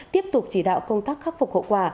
tiếp tục chỉ đạo công tác khắc phục hậu quả